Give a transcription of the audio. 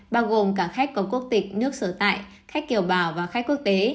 bao gồm cả khách có quốc tịch nước sở tại khách kiểu bảo và khách quốc tế